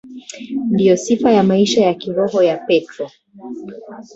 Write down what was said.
Ndiyo sifa ya maisha ya kiroho ya Petro.